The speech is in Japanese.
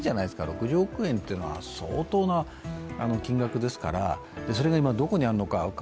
６０億円っていうのは相当な金額ですから、それが今、どこにあるのか。